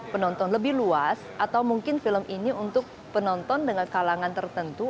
penonton lebih luas atau mungkin film ini untuk penonton dengan kalangan tertentu